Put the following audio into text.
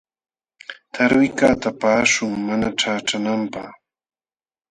Tawlikaqta paqaśhun mana ćhaqćhananpaq.